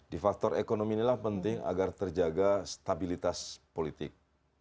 di faktor ekonomi inilah penting agar terjaga stabilitas politik